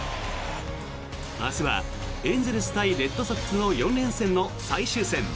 明日はエンゼルス対レッドソックスの４連戦の最終戦。